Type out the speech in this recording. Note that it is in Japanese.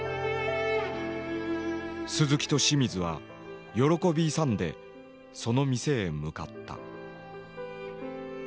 鈴木と清水は喜び勇んでその店へ向かった。